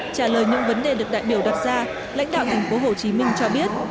trả lời những vấn đề được đại biểu đặt ra lãnh đạo tp hcm cho biết